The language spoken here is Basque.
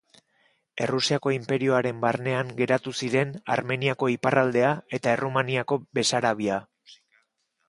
Errusiako inperioaren barnean geratu ziren Armeniako iparraldea eta Errumaniako Besarabia.